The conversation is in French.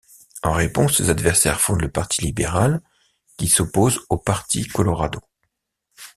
En réponse, ses adversaires fondent le Parti libéral qui s'oppose au Parti Colorado.